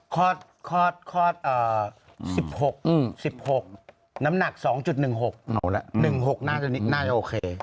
คลอดคลอดคลอด๑๖๑๖น้ำหนัก๒๑๖๑๖น่าจะโอเค